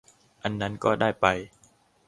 อันนั้นก็ได้ไป